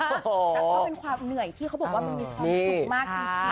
แต่ก็เป็นความเหนื่อยที่เขาบอกว่ามันมีความสุขมากจริง